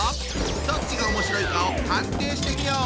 どっちがおもしろいかを判定してみよう！